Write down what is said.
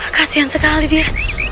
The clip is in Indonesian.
kasian sekali dia